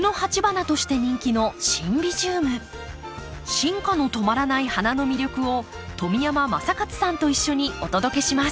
進化の止まらない花の魅力を富山昌克さんと一緒にお届けします。